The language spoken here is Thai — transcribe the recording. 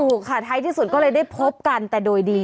ถูกค่ะท้ายที่สุดก็เลยได้พบกันแต่โดยดี